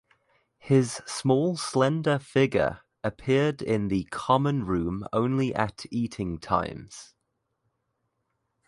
His small slender figure appeared in the common room only at eating times.